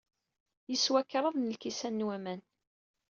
Yeswa kraḍ n lkisan n waman.